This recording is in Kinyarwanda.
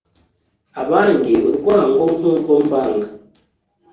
abange urwango nk'urwo mbanga